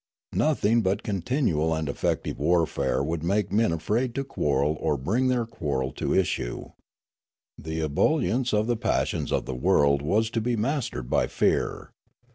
Nothing but continual and effective warfare would make men afraid to quarrel or bring their quarrel to issue. The ebullience of the passions of the world was to be mastered by fear.